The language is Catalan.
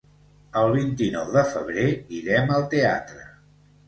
El vint-i-nou de febrer irem al teatre.